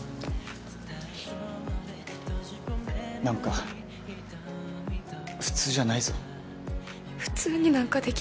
なんか普通じゃないぞ？